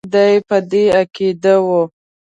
دی په دې عقیده وو.